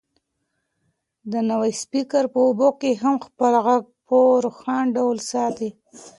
دا نوی سپیکر په اوبو کې هم خپل غږ په روښانه ډول ساتي.